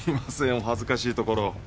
お恥ずかしいところを。